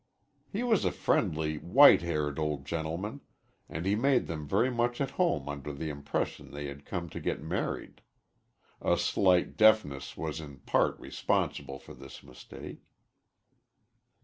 He was a friendly, white haired old gentleman, and he made them very much at home under the impression they had come to get married. A slight deafness was in part responsible for this mistake.